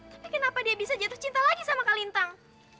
tapi kenapa dia bisa jatuh cinta lagi sama kalintang